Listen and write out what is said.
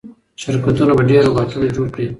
شرکتونه به ډېر روباټونه جوړ کړي.